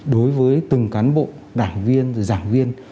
đối với từng cán bộ đảng viên giảng viên